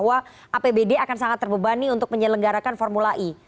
mereka khawatir bahwa apbd akan sangat terbebani untuk menyelenggarakan formula e